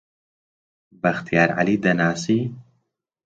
بەختیار عەلی دەناسی؟